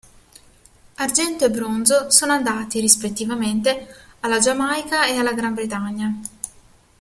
Argento e bronzo sono andati, rispettivamente, alla Giamaica e alla Gran Bretagna.